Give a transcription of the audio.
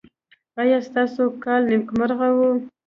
ایا ستاسو کال نیکمرغه و؟